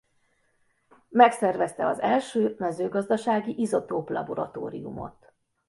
Megszervezte az első mezőgazdasági izotóplaboratóriumot.